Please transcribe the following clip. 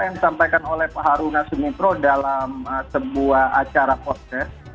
yang disampaikan oleh pak haruna sumitro dalam sebuah acara postres